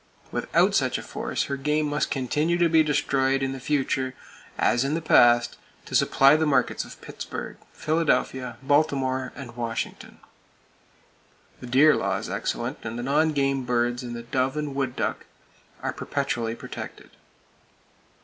Without such a force her game must continue to be destroyed in the future as in the past to supply the markets of Pittsburgh, Philadelphia, Baltimore and Washington. The deer law is excellent, and the non game birds, and the dove and wood duck are perpetually protected.